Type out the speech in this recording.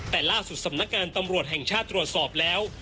แต่ล่าสุดสำนักงานตำรวจแห่งชาติตรวจสอบแล้ว